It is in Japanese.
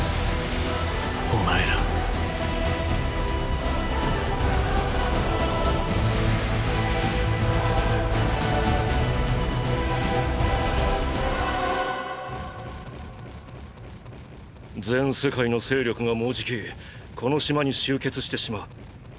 お前ら全世界の勢力がもうじきこの島に集結してしまう。